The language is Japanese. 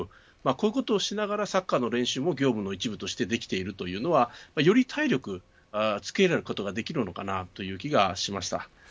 こういうことをしながらサッカーの練習も業務の一部としてできているというのはより体力つけることができるのかなという気がしました。